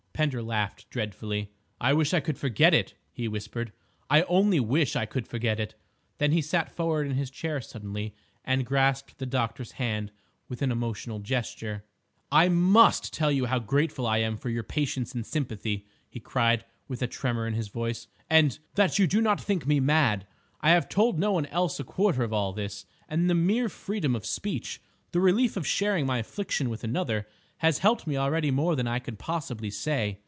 Pender laughed dreadfully. "I wish I could forget it," he whispered, "I only wish I could forget it!" Then he sat forward in his chair suddenly, and grasped the doctor's hand with an emotional gesture. "I must tell you how grateful I am for your patience and sympathy," he cried, with a tremor in his voice, "and—that you do not think me mad. I have told no one else a quarter of all this, and the mere freedom of speech—the relief of sharing my affliction with another—has helped me already more than I can possibly say."